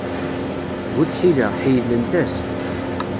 Bu tḥila, ḥeyylent-as.